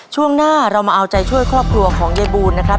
ช่วงหน้าเรามาเอาใจช่วยครอบครัวของยายบูลนะครับ